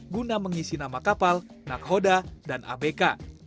guna mengisi nama kapal nakhoda dan abk